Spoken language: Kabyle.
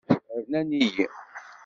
Rnan-iyi.